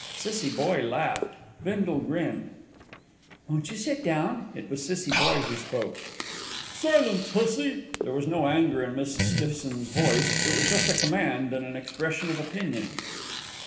Cissie Boye laughed, Bindle grinned. "Won't you sit down?" It was Cissie Boye who spoke. "Silence, hussy!" There was no anger in Mrs. Stiffson's voice; it was just a command and an expression of opinion.